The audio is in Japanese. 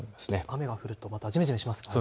雨が降るとじめじめしますからね。